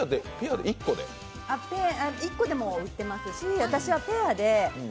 １個でも売ってますし、私はペアで。